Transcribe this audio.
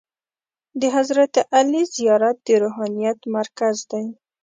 د حضرت علي زیارت د روحانیت مرکز دی.